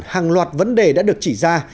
hàng loạt vấn đề đã được chỉ ra